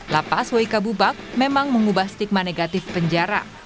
lapas waika bubak memang mengubah stigma negatif penjara